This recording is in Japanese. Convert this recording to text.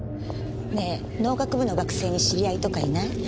ねえ農学部の学生に知り合いとかいない？